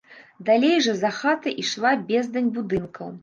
Далей жа, за хатай, ішла бездань будынкаў.